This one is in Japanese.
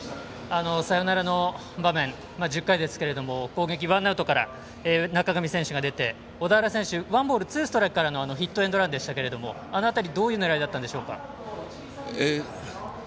サヨナラの場面１０回ですけれども攻撃、ワンアウトから中上選手が出て小田原選手ワンボール、ツーストライクからヒットエンドランでしたがあの辺りはどういう狙いだったんでしょうか。